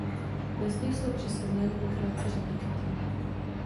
Listy jsou přisedlé nebo krátce řapíkaté.